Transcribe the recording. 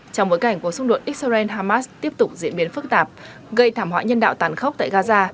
trong bối cảnh cuộc xung đột israel hamas tiếp tục diễn biến phức tạp gây thảm họa nhân đạo tàn khốc tại gaza